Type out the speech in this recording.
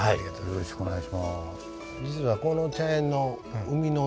よろしくお願いします。